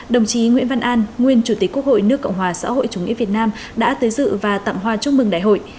đồng chí nguyễn văn an nguyên chủ tịch quốc hội nước cộng hòa xã hội chủ nghĩa việt nam đã tới dự và tặng hoa chúc mừng đại hội